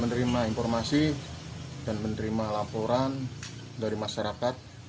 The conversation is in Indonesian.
menerima informasi dan menerima laporan dari masyarakat